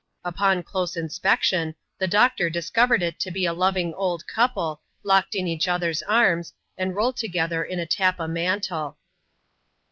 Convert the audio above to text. Upon close inspection, the doctor discovered it to be a loving old octuple, locked in each other's arms, and rolled together in a tappa mantle.